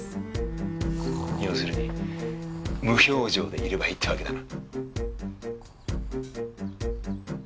要するに無表情でいればいいってわけだな？